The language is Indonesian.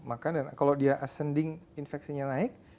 makan dan kalau dia ascending infeksinya naik